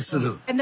何？